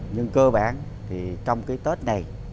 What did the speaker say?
nhưng cơ bản thì trong cái tết này